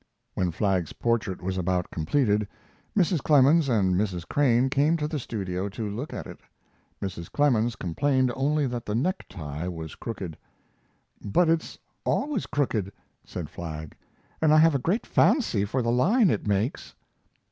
When Flagg's portrait was about completed, Mrs. Clemens and Mrs. Crane came to the studio to look at it. Mrs. Clemens complained only that the necktie was crooked. "But it's always crooked," said Flagg, "and I have a great fancy for the line it makes."